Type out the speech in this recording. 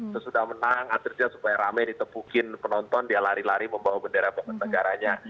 setelah menang akhirnya supaya ramai ditepukin penonton dia lari lari membawa bendera ke negaranya